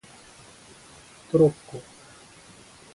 トロッコ